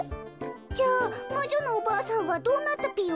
じゃあまじょのおばあさんはどうなったぴよ？